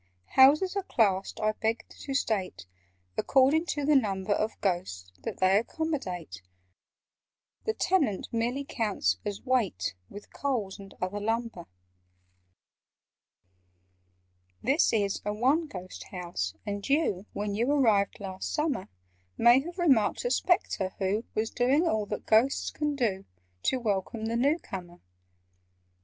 "Houses are classed, I beg to state, According to the number Of Ghosts that they accommodate: (The Tenant merely counts as weight, With Coals and other lumber). "This is a 'one ghost' house, and you When you arrived last summer, May have remarked a Spectre who Was doing all that Ghosts can do To welcome the new comer.